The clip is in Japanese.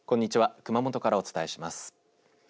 熊本からお伝えします。